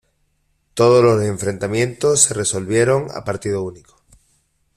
Todos los enfrentamientos se resolvieron a partido único.